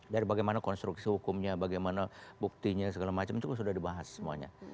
dari bagaimana konstruksi hukumnya bagaimana buktinya segala macam itu sudah dibahas semuanya